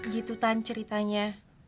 gitu tan ceritanya